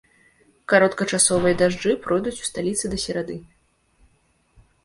Кароткачасовыя дажджы пройдуць у сталіцы да серады.